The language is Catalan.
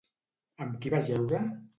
Amb qui va jeure?